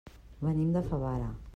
Venim de Favara.